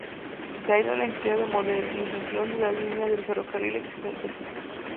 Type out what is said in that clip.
De ahí la necesidad de modernización de la línea del ferrocarril existente.